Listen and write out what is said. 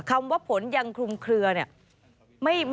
คำว่าผลยังคลุมเคลือเนี่ย